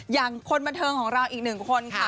อย่างคนบันเทิงของเราอีกหนึ่งคนค่ะ